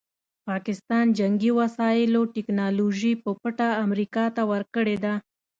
پاکستان جنګي وسایلو ټیکنالوژي په پټه امریکا ته ورکړې ده.